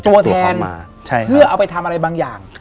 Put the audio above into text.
ตัวแทนมาเพื่อเอาไปทำอะไรบางอย่าง